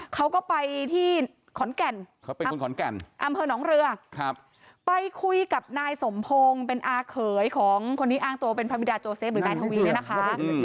เขาก็ไปที่ขอนแก่นเขาเป็นคนขอนแก่นอำเภอหนองเรือไปคุยกับนายสมพงศ์เป็นอาเขยของคนที่อ้างตัวเป็นพระบิดาโจเซฟหรือนายทวีเนี่ยนะคะ